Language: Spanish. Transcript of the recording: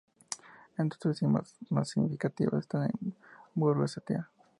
Entre sus cimas más significativas están, en Burgos, Sta.